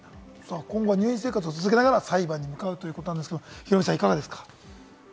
入院生活を続けながら裁判に向かうということですが、ヒロミさんいかがですか？